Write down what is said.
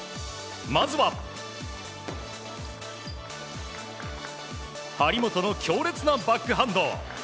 まずは張本の強烈なバックハンド。